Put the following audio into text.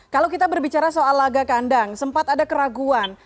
kalau kita berbicara soal laga kandang sempat ada keraguan